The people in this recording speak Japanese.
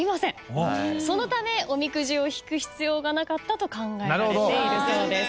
そのためおみくじを引く必要がなかったと考えられているそうです。